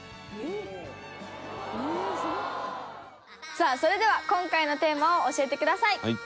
さあそれでは今回のテーマを教えてください。